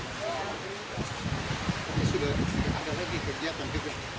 ini sudah ada lagi kegiatan juga